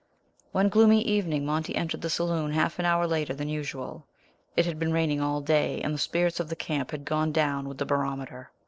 One gloomy evening Monty entered the saloon half an hour later than usual. It had been raining all day, and the spirits of the camp had gone down with the barometer.